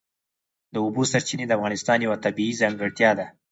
د اوبو سرچینې د افغانستان یوه طبیعي ځانګړتیا ده.